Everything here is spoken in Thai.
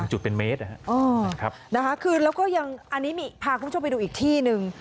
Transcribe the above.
จุดเป็นเมตรนะคะคือแล้วก็ยังอันนี้พาคุณผู้ชมไปดูอีกที่หนึ่ง